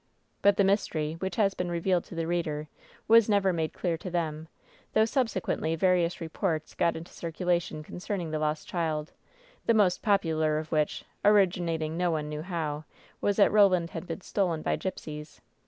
But the mystery, which has been revealed to the reader, was never made clear to them, though subse quently various reports got into circulation concerning the lost child — the most popular of which, originating no one knew how, was that Roland had been stolen by gypsies.